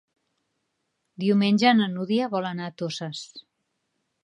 Diumenge na Dúnia vol anar a Toses.